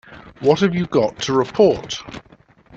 What have you got to report?